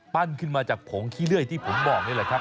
ขึ้นมาจากผงขี้เลื่อยที่ผมบอกนี่แหละครับ